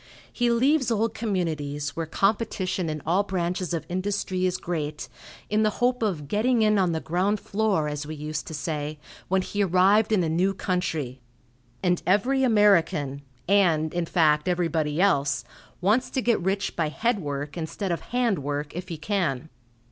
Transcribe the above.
He leaves old communities, where competition in all branches of industry is great, in the hope of "getting in on the ground floor," as we used to say, when he arrived in a new country, and every American, and, in fact, everybody else, wants to get rich by head work instead of hand work, if he can.